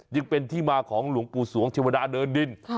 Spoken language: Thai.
ยังเป็นที่มาของหลวงปู่สวงเทวดาเดินดิน